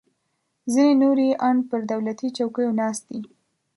ځینې نور یې ان پر دولتي چوکیو ناست دي